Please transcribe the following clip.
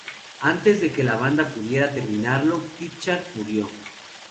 Antes de que la banda pudiera terminarlo, Pritchard murió.